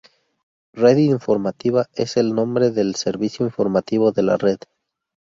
Red Informativa es el nombre del servicio informativo de La Red.